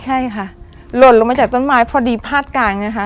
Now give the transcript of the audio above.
ใช่ค่ะหล่นลงมาจากต้นไม้พอดีพาดกลางไงคะ